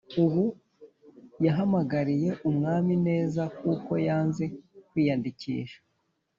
ubu yahagarariye Umwami neza kuko yanze kwiyandikisha